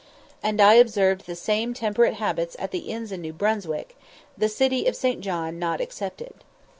] and I observed the same temperate habits at the inns in New Brunswick, the city of St. John not excepted.